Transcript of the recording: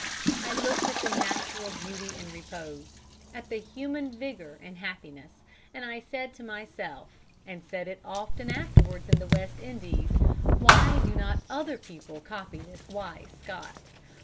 "I looked at the natural beauty and repose; at the human vigour and happiness; and I said to myself, and said it often afterwards in the West Indies: 'Why do not other people copy this wise Scot?